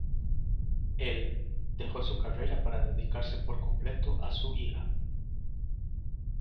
Él, dejó su carrera para dedicarse por completo a su hija.